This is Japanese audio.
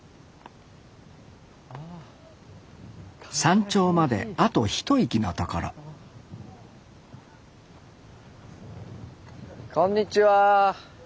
山頂まであと一息のところこんにちは。